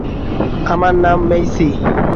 আমার নাম মেইসি।